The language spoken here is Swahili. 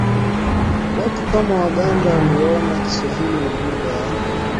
Watu kama Waganda waliona Kiswahili ni lugha ya